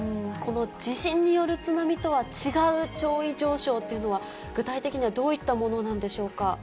この地震による津波とは違う潮位上昇というのは、具体的にはどういったものなんでしょうか。